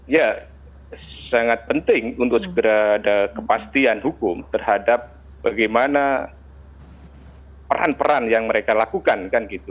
ya sangat penting untuk segera ada kepastian hukum terhadap bagaimana peran peran yang mereka lakukan kan gitu